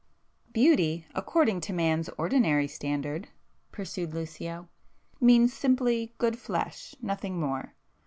"Beauty, according to man's ordinary standard," pursued Lucio, "means simply good flesh,—nothing more.